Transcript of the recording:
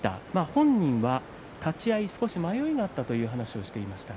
本人は立ち合いに少し迷いがあったと話していました。